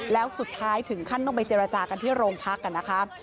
แล้วสุดท้ายถึงขั้นต้องไปเจรจากันที่โรงพักกันนะคะ